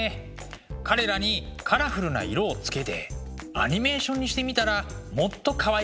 彼らにカラフルな色をつけてアニメーションにしてみたらもっとかわいくなったりして。